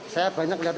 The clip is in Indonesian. saya banyak lihat